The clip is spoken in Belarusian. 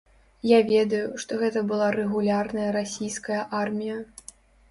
Я ведаю, што гэта была рэгулярная расійская армія.